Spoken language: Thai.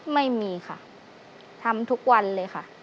ไม่มีค่ะทำทุกวันเลยค่ะ